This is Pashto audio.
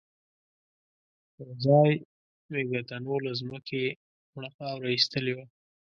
يوځای مېږتنو له ځمکې مړه خاوره را ايستلې وه.